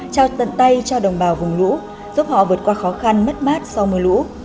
trao tận tay cho đồng bào vùng lũ giúp họ vượt qua khó khăn mất mát sau mưa lũ